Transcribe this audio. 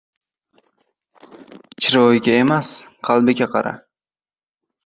• Chiroyiga emas, qalbiga qara.